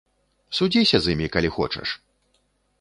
Судзіся з імі, калі хочаш!